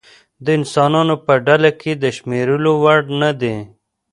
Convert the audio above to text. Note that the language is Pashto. د انسانانو په ډله کې د شمېرلو وړ نه دی.